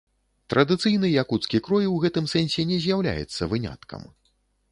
Традыцыйны якуцкі крой у гэтым сэнсе не з'яўляецца выняткам.